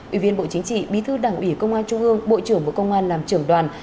ủy viên bộ chính trị bí thư đảng ủy công an trung ương bộ trưởng bộ công an làm trưởng đoàn